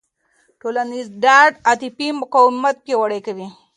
ټولنیزه ډاډ عاطفي مقاومت پیاوړی کوي.